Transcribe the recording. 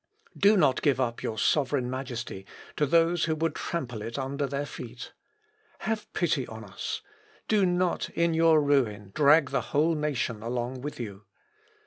"Do not give up your sovereign majesty to those who would trample it under their feet! Have pity on us! Do not in your ruin drag the whole nation along with you!